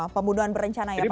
pembunuhan berencana ya pak